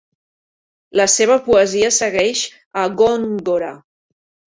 La seva poesia segueix a Góngora.